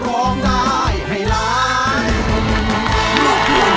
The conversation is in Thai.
สวัสดีค่ะ